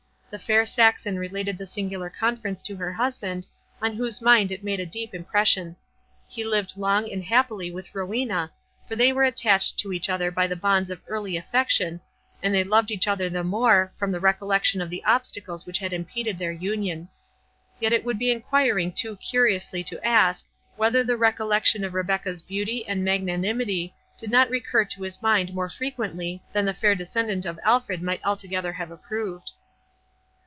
The fair Saxon related the singular conference to her husband, on whose mind it made a deep impression. He lived long and happily with Rowena, for they were attached to each other by the bonds of early affection, and they loved each other the more, from the recollection of the obstacles which had impeded their union. Yet it would be enquiring too curiously to ask, whether the recollection of Rebecca's beauty and magnanimity did not recur to his mind more frequently than the fair descendant of Alfred might altogether have approved.